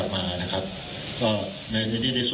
คุณผู้ชมไปฟังผู้ว่ารัฐกาลจังหวัดเชียงรายแถลงตอนนี้ค่ะ